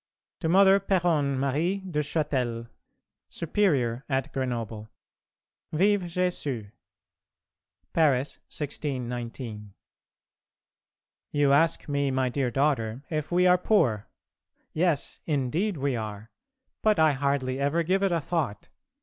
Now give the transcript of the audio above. To Mother Péronne Marie de Châtel, Superior at Grenoble. Vive [+] Jésus! PARIS, 1619. You ask me, my dear daughter, if we are poor. Yes, indeed we are, but I hardly ever give it a thought.